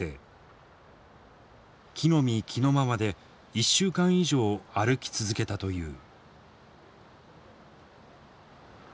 着のみ着のままで１週間以上歩き続けたという。